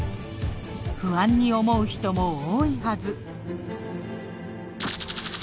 不安に思う人も多いはず。